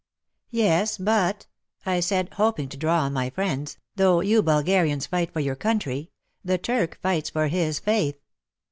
''Yes, but," I said, hoping to draw on my friends, ''though you Bulgarians fight for your country, the Turk fights {or \i\s faith.